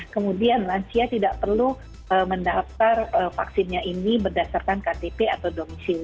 kemudian lansia tidak perlu mendaftar vaksinnya ini berdasarkan ktp atau domisi